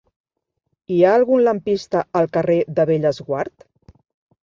Hi ha algun lampista al carrer de Bellesguard?